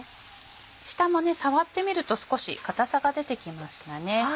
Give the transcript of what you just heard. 下もね触ってみると少し硬さが出てきましたね。